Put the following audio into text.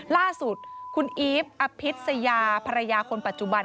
ล่าสุดคุณอีฟอภิษยาภรรยาคนปัจจุบัน